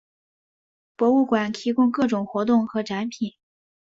博物馆提供各种活动和展品。